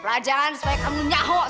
pelajaran supaya kamu nyahok